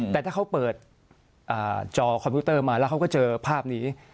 แต่ถ้าเขาเปิดจอคอมพิวเตอร์มาแล้วเขาก็เจอภาพนี้